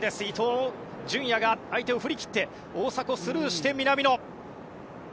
伊東純也が相手を振り切って大迫、スルーして南野。